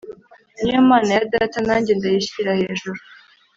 ni yo mana ya data, nanjye ndayishyira hejuru.